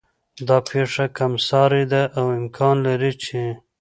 دا پېښه کم سارې ده او امکان لري چې